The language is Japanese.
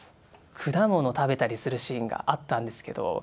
果物食べたりするシーンがあったんですけど。